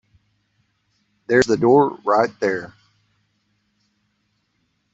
There's the door right there.